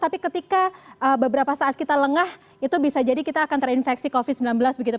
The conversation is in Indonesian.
tapi ketika beberapa saat kita lengah itu bisa jadi kita akan terinfeksi covid sembilan belas begitu